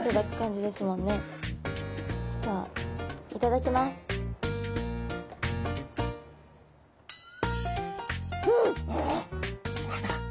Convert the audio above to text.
きました？